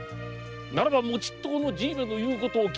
ならばもちっとこのじいめの言うことをお聞きなさいませ。